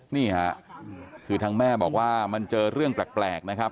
นี่ค่ะคือทางแม่บอกว่ามันเจอเรื่องแปลกนะครับ